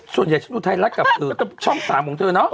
ส่วนใหญ่ฉันดูไทยรัฐกับช่อง๓ของเธอเนาะ